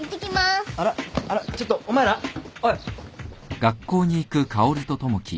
あらあらちょっとお前らおい。